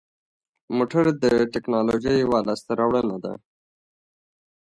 موټر د تکنالوژۍ یوه لاسته راوړنه ده.